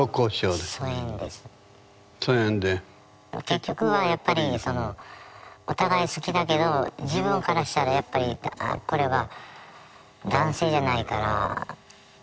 結局はやっぱりそのお互い好きだけど自分からしたらやっぱりああこれは男性じゃないから。